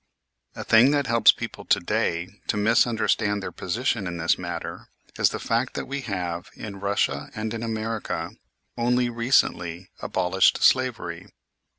A thing that helps people to day to mis understand their position in this matter, is the fact that we have, in Eussia and in America, only recently abolished slavery.